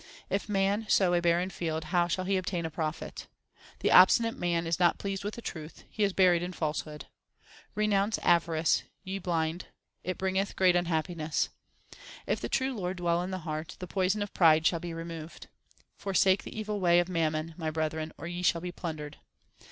If man sow a barren field, how shall he obtain profit ? The obstinate man is not pleased with the truth ; he is buried in falsehood. Renounce avarice, ye blind ; it bringeth great unhappi ness. If the true Lord dwell in the heart, the poison of pride shall be removed. Forsake the evil way of mammon, my brethren, or ye shall be plundered.